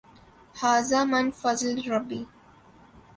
ھذا من فضْل ربی۔